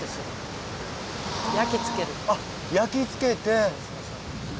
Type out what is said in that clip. あっ焼きつけて。